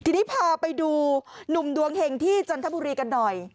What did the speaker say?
ทีนี้พาไปดูหนุ่มดวงเห็งที่จันทบุรีกันหน่อย